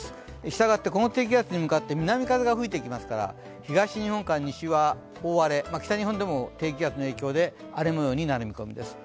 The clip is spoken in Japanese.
したがってこの低気圧に向かって南風が吹いてきますから東日本から西は大荒れ北日本でも低気圧の影響で荒れ模様になる見込みです。